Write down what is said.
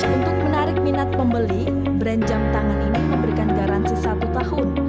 untuk menarik minat pembeli brand jam tangan ini memberikan garansi satu tahun